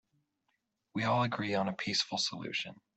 We all agree on a peaceful solution.